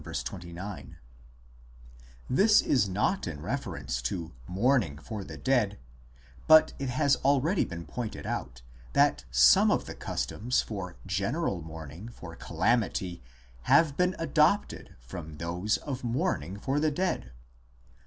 29) ; this is not in reference to mourning for the dead, but it has already been pointed out that some of the customs for general mourning for calamity have been adopted from those of mourning for the dead, cp.